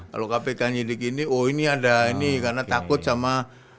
kalau kpknya dikini oh ini ada ini karena takut sama